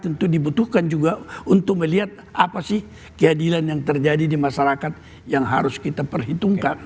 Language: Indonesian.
tentu dibutuhkan juga untuk melihat apa sih keadilan yang terjadi di masyarakat yang harus kita perhitungkan